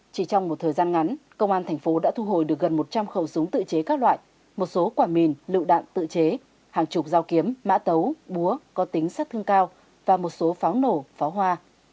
chỉ trong một thời gian ngắn công an thành phố đã thu hồi được gần một trăm linh khẩu súng tự chế các loại một số quả mìn lựu đạn tự chế hàng chục dao kiếm mã tấu búa có tính sát thương cao và một số pháo nổ pháo hoa